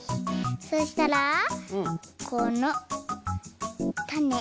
そしたらこのたね。